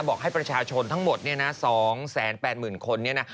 บอกให้ประชาชนทั้งหมด๒แสน๘หมื่นคน